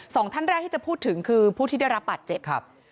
สองท่านแรกที่จะพูดถึงคือผู้ที่ได้รับบาดเจ็บครับ